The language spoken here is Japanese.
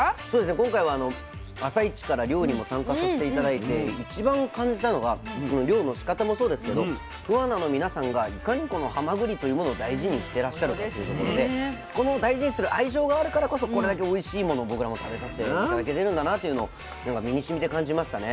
今回は朝イチから漁にも参加させて頂いて一番感じたのがこの漁のしかたもそうですけど桑名の皆さんがいかにこのはまぐりというものを大事にしてらっしゃるかっていうところでこの大事にする愛情があるからこそこれだけおいしいものを僕らも食べさせて頂けてるんだなというのを身にしみて感じましたね。